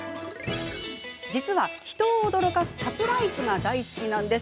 実は人を驚かすサプライズが大好きなんです。